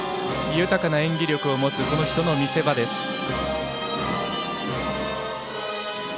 豊かな演技力を持つこの人の見せ場です。